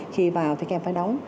khi vào thì các em phải đóng